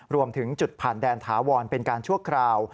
รวมถึงจุดผ่านแดนถาวรเป็นการชั่วคราว